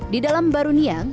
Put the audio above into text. di dalam mbarunia